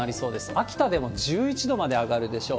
秋田でも１１度まで上がるでしょう。